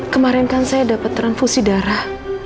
kemarin kan saya dapat transfusi darah